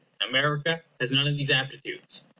America has none of these aptitudes.